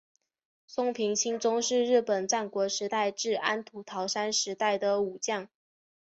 松平清宗是日本战国时代至安土桃山时代的武将。